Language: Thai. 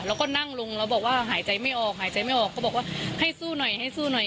แล้วก็นั่งลงแล้วบอกว่าหายใจไม่ออกหายใจไม่ออกก็บอกว่าให้สู้หน่อยให้สู้หน่อย